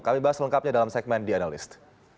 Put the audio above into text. kami bahas lengkapnya dalam segmen the analyst